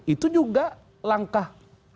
itu juga langkah